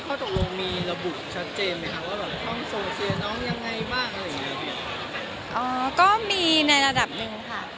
ก็มีในระดับหนึ่งค่ะ